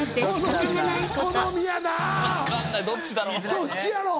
どっちやろう？